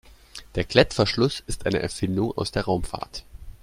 Der Klettverschluss ist eine Erfindung aus der Raumfahrt.